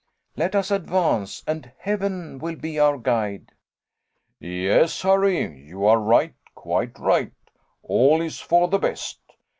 Let us advance, and Heaven will be our guide!" "Yes, Harry, you are right, quite right; all is for the best.